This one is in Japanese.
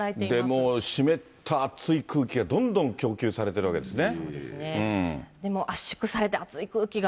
で、もう湿った暑い空気がどんどん供給されてるわけですね。